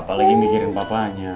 kalian pikirin papanya